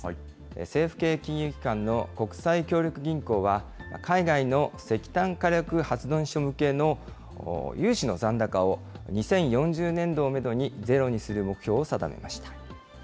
政府系金融機関の国際協力銀行は、海外の石炭火力発電所向けの融資の残高を、２０４０年度をメドにゼロにする目標を定めました。